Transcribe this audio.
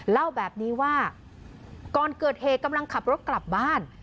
เล่าแบบนี้ว่าก่อนเกิดเหตุกำลังขับรถกลับบ้าน